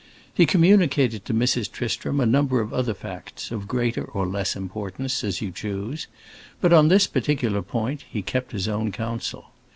He communicated to Mrs. Tristram a number of other facts, of greater or less importance, as you choose; but on this particular point he kept his own counsel.